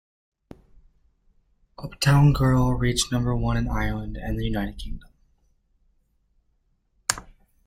"Uptown Girl" reached number one in Ireland and the United Kingdom.